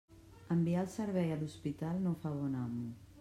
Enviar el servei a l'hospital no fa bon amo.